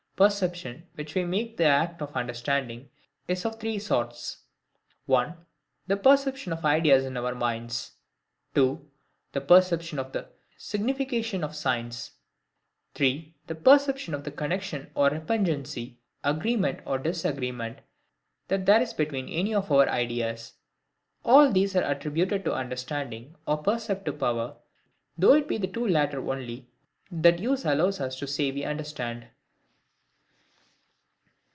Perception, which we make the act of the understanding, is of three sorts:—1. The perception of ideas in our minds. 2. The perception of the signification of signs. 3. The perception of the connexion or repugnancy, agreement or disagreement, that there is between any of our ideas. All these are attributed to the understanding, or perceptive power, though it be the two latter only that use allows us to say we understand.